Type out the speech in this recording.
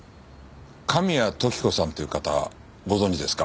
神谷時子さんという方ご存じですか？